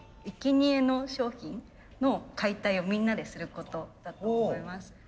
いけにえの商品の解体をみんなですることだと思います。